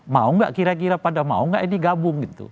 mau tidak kira kira pada mau tidak ini gabung